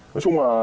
nói chung là